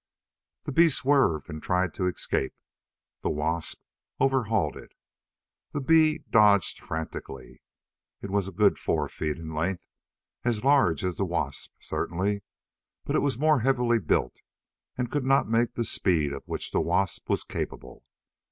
The bee swerved and tried to escape. The wasp over hauled it. The bee dodged frantically. It was a good four feet in length, as large as the wasp, certainly but it was more heavily built and could not make the speed of which the wasp was capable.